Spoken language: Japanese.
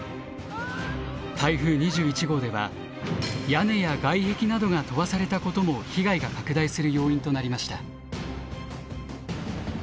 台風２１号では屋根や外壁などが飛ばされたことも被害が拡大する要因となりました。